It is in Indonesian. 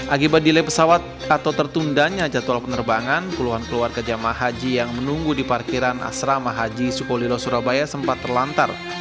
akibat delay pesawat atau tertundanya jadwal penerbangan puluhan keluarga jamaah haji yang menunggu di parkiran asrama haji sukolilo surabaya sempat terlantar